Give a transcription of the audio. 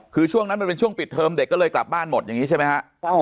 คือช่วงนั้นมันเป็นช่วงปิดเทอมเด็กก็เลยกลับบ้านหมดอย่างนี้ใช่ไหมฮะ